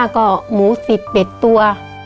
๑๕๐๐๐ก็หมู๑๐เด็ดตัว